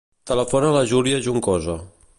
Telefona a la Júlia Juncosa.